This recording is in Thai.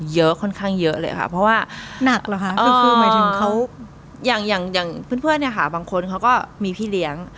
เยอะค่อนข้างเยอะเลยค่ะเพราะว่าหนักหรอคะคือหมายถึงเขาอย่างอย่างเพื่อนเนี่ยค่ะบางคนเขาก็มีพี่เลี้ยง